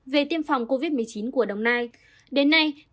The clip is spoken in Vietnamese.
về tiêm phòng covid một mươi chín của đồng nai đến nay